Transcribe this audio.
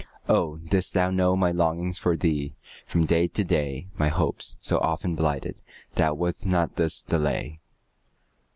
Oh, didst thou know my longings For thee, from day to day, My hopes, so often blighted, Thou wouldst not thus delay!